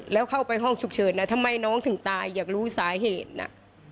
แล้วเข้าไปห้องฉุกเฉินนะทำไมน้องถึงตายอยากรู้สาเหตุน่ะ